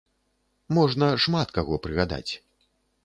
Можна шмат каго прыгадаць.